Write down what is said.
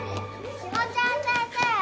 志保ちゃん先生！